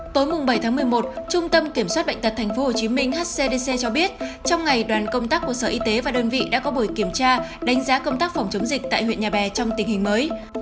tối bảy tháng một mươi một trung tâm kiểm soát bệnh tật tp hcm hcdc cho biết trong ngày đoàn công tác của sở y tế và đơn vị đã có buổi kiểm tra đánh giá công tác phòng chống dịch tại huyện nhà bè trong tình hình mới